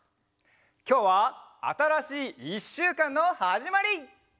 きょうはあたらしいいっしゅうかんのはじまり！